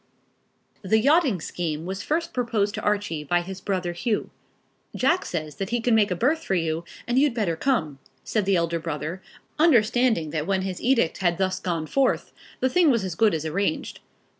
The yachting scheme was first proposed to Archie by his brother Hugh. "Jack says that he can make a berth for you, and you'd better come," said the elder brother, understanding that when his edict had thus gone forth, the thing was as good as arranged.